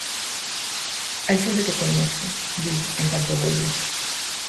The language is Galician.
Hai xente que coñezo –di, en canto volve–.